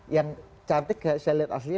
yang cantik saya lihat aslinya